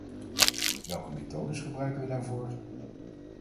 Welke methodes gebruiken we daarvoor?